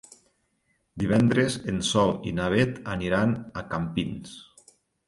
Divendres en Sol i na Beth aniran a Campins.